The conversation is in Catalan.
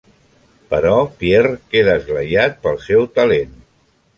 Però, Pierre queda esglaiat pel seu talent.